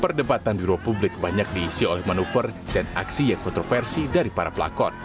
perdebatan di ruang publik banyak diisi oleh manuver dan aksi yang kontroversi dari para pelakon